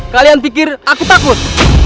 kalian pikir aku takut